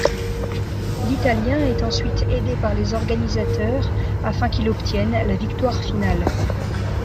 L'Italien est ensuite aidé par les organisateurs afin qu'il obtienne la victoire finale.